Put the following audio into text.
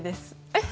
えっ